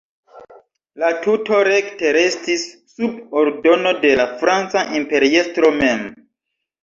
La tuto rekte restis sub ordono de la franca imperiestro mem.